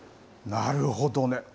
なるほどね。